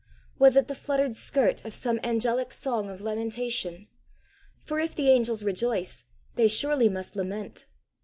Was it the fluttered skirt of some angelic song of lamentation? for if the angels rejoice, they surely must lament!